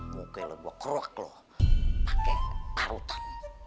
mungkin lo bakal kerok lo pake karutan